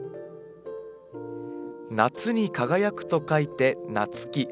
「夏に輝く」と書いて「夏輝」。